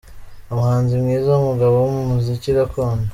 Umuhanzi mwiza w’umugabo mu muziki gakondo.